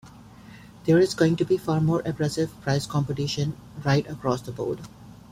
There is going to be far more aggressive price competition right across the board.